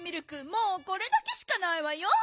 もうこれだけしかないわよ。